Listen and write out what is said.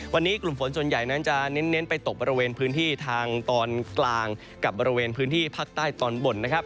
วันนี้กลุ่มฝนส่วนใหญ่นั้นจะเน้นไปตกบริเวณพื้นที่ทางตอนกลางกับบริเวณพื้นที่ภาคใต้ตอนบนนะครับ